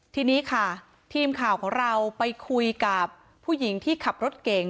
ทีนี้ค่ะทีมข่าวของเราไปคุยกับผู้หญิงที่ขับรถเก่ง